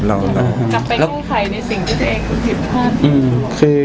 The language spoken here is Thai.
กลับไปแค่ใครในสิ่งที่เธอเองผิดผ้าด้วย